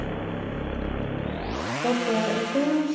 後手６四飛車。